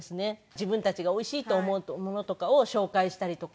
自分たちがおいしいと思うものとかを紹介したりとか。